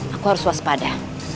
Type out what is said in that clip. aku harus waspada